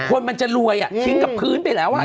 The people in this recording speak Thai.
คนมันจะรวยทิ้งกับพื้นไปแล้วอ่ะ